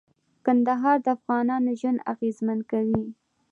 کندهار د افغانانو ژوند اغېزمن کوي.